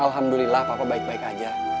alhamdulillah papa baik baik aja